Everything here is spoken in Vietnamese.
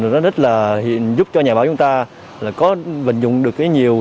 nó rất là giúp cho nhà báo chúng ta là có vận dụng được cái nhiều